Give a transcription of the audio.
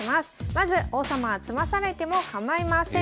まず王様は詰まされても構いません。